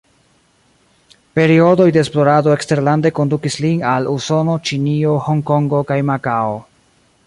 Periodoj de esplorado eksterlande kondukis lin al Usono, Ĉinio, Honkongo kaj Makao.